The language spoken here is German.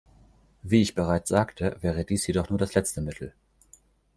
Wie ich bereits sagte, wäre dies jedoch nur das letzte Mittel.